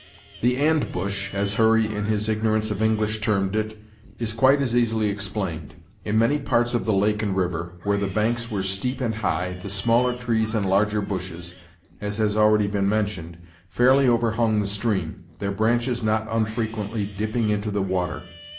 The "and bush," as Hurry in his ignorance of English termed it, is quite as easily explained. In many parts of the lake and river, where the banks were steep and high, the smaller trees and larger bushes, as has been already mentioned, fairly overhung the stream, their branches not unfrequently dipping into the water.